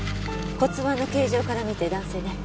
骨盤の形状から見て男性ね。